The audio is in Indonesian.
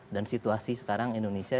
dan situasi sekarang indonesia